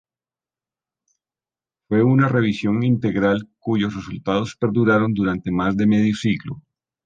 Fue una revisión integral cuyos resultados perduraron durante más de medio siglo.